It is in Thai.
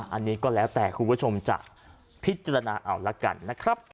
อันนี้ก็แล้วแต่คุณผู้ชมจะพิจารณาเอาละกันนะครับ